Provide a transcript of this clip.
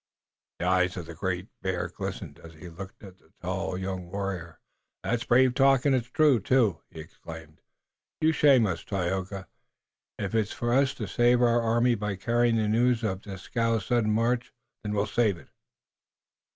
The eyes of the Great Bear glistened as he looked at the tall young warrior. "That's brave talk, and it's true, too!" he exclaimed. "You shame us, Tayoga! If it's for us to save our army by carrying the news of Dieskau's sudden march, then we'll save it."